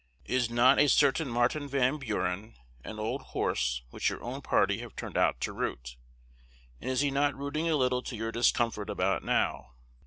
Is not a certain Martin Van Buren an old horse which your own party have turned out to root? and is he not rooting a little to your discomfort about now?